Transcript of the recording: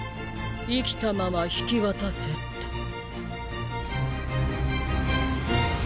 生きたまま引き渡せって。